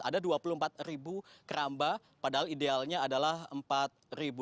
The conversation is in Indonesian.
ada dua puluh empat ribu keramba padahal idealnya adalah rp empat